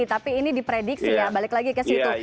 tapi ini diprediksi ya balik lagi ke situ